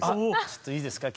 ちょっといいですか？